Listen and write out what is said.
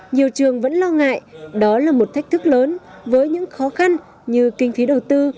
nhiều trường vẫn lo ngại đó là một thách thức lớn với những khó khăn như kinh phí đầu tư